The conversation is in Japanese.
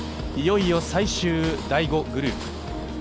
いよいよ最終、第５グループ。